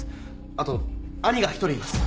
あと兄が１人います。